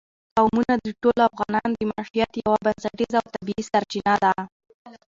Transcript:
قومونه د ټولو افغانانو د معیشت یوه بنسټیزه او طبیعي سرچینه ده.